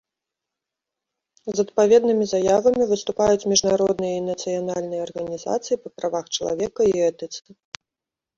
З адпаведнымі заявамі выступаюць міжнародныя і нацыянальныя арганізацыі па правах чалавека і этыцы.